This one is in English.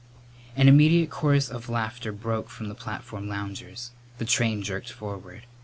An immediate chorus of laughter broke from the platform loungers. The train jerked forward.